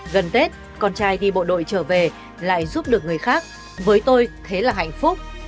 gần tết con trai đi bộ đội trở về lại giúp được người khác với tôi thế là hạnh phúc